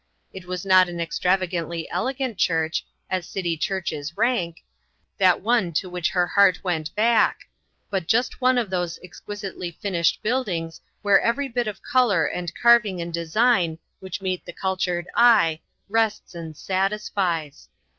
It was not an extravagantly elegant church 64 INTERRUPTED. as city churches rank that one to which her heart went back, but just one of those exquisitely finished buildings where every bit of color and carving and design which meet the cultured eye, rests and satisfies.